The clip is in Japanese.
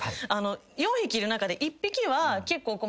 ４匹いる中で１匹は結構。